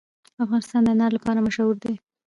افغانستان د انار لپاره مشهور دی.